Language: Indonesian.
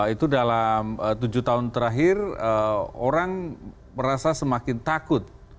itu dalam tujuh tahun terakhir orang merasa semakin takut